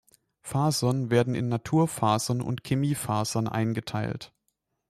Fasern werden in Naturfasern und Chemiefasern eingeteilt.